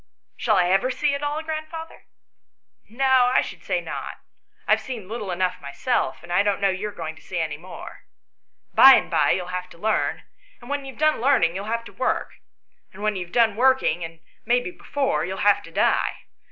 " Shall I ever see it all, grandfather ?"" No, I should say not. I have seen little enough myself, and I don't know how you are going to see more. By and by you'll have to learn, and when you have done learning you'll have to work, and when you have done working, and maybe before, you'll have to die.